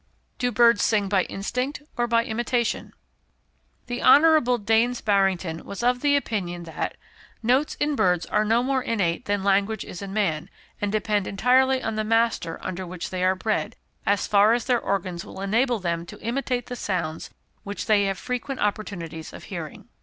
Do Birds sing by Instinct or by Imitation? The Hon. Daines Barrington was of opinion that "notes in birds are no more innate than language is in man, and depend entirely on the master under which they are bred, as far as their organs will enable them to imitate the sounds which they have frequent opportunities of hearing."